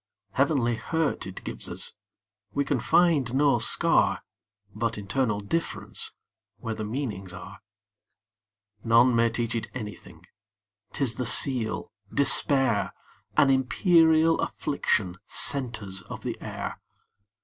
Heavenly hurt it gives us; We can find no scar, But internal differenceWhere the meanings are. None may teach it anything,'T is the seal, despair,—An imperial afflictionSent us of the air.